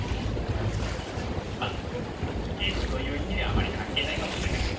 まっ芸風という意味ではあんまり関係ないかもしれないですね。